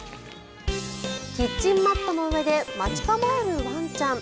キッチンマットの上で待ち構えるワンちゃん。